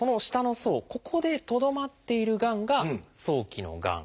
ここでとどまっているがんが早期のがん。